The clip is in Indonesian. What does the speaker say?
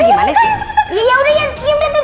ya yaudah yaudah